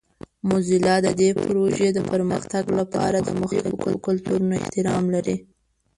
موزیلا د دې پروژې د پرمختګ لپاره د مختلفو کلتورونو احترام لري.